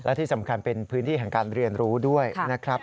และที่สำคัญเป็นพื้นที่แห่งการเรียนรู้ด้วยนะครับ